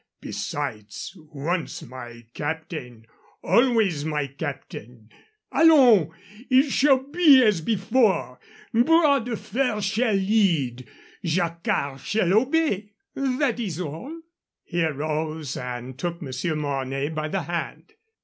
Besides, once my captain, always my captain. Allons! It shall be as before. Bras de Fer shall lead. Jacquard shall obey. That is all." He arose and took Monsieur Mornay by the hand.